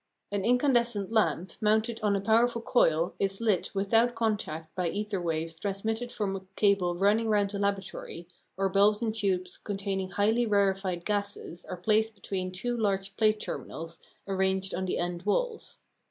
An incandescent lamp, mounted on a powerful coil, is lit without contact by ether waves transmitted from a cable running round the laboratory, or bulbs and tubes containing highly rarefied gases are placed between two large plate terminals arranged on the end walls.